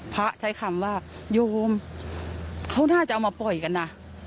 ใช้คำว่าโยมเขาน่าจะเอามาปล่อยกันนะ